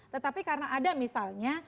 tetapi karena ada misalnya